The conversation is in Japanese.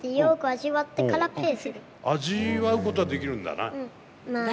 味わうことはできるんだな。